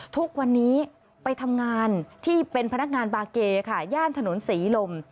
ทุกวันนี้ไปทำงานที่เป็นพนักงานบาเกค่ะย่านถนนศรีลม